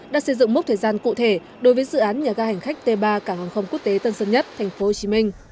đã xây dựng mốc thời gian cụ thể đối với dự án nhà ga hành khách t ba cảng hàng không quốc tế tân sơn nhất tp hcm